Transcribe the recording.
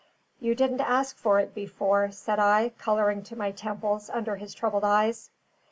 "You didn't ask for it before," said I, colouring to my temples under his troubled eyes.